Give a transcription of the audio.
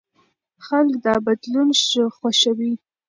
خلک دا بدلون خوښوي.